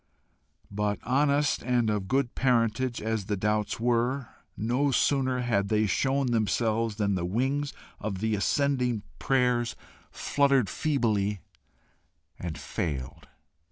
But honest and of good parentage as the doubts were, no sooner had they shown themselves than the wings of the ascending prayers fluttered feebly and failed.